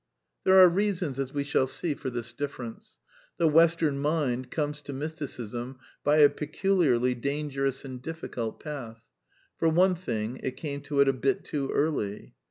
There are reasons, as we shall see, for this difference. The Western mind comes to Mysticism by a peculiarly dangerous and difficult path. For one thing, it came to it a bit too early.